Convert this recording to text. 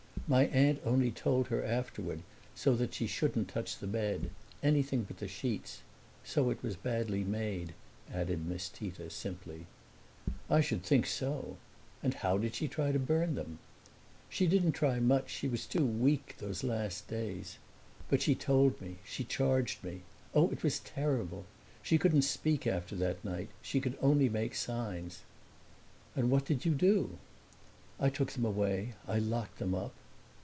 My aunt only told her afterward, so that she shouldn't touch the bed anything but the sheets. So it was badly made," added Miss Tita simply. "I should think so! And how did she try to burn them?" "She didn't try much; she was too weak, those last days. But she told me she charged me. Oh, it was terrible! She couldn't speak after that night; she could only make signs." "And what did you do?" "I took them away. I locked them up."